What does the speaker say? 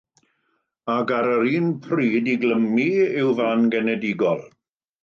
Ac, ar yr un pryd, ei glymu i'w fan genedigol.